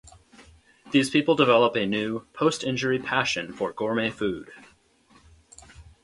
These people develop a new, post-injury passion for gourmet food.